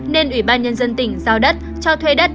nên ủy ban nhân dân tỉnh giao đất